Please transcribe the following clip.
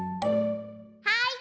はい！